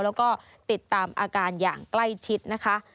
แล้วก็ติดตามอาการอย่างใกล้ชิดนะคะ